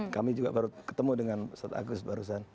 kami juga baru ketemu dengan ustadz agus barusan